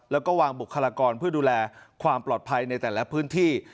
แล้วก็วางบุคลากรเพื่อดูแลความปลอดภัยในแต่ละพื้นที่